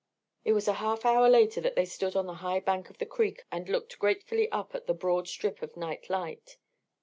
It was a half hour later that they stood upon the high bank of the creek and looked gratefully up at the broad strip of night light.